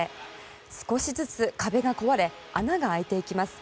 少しずつ壁が壊れ穴が開いていきます。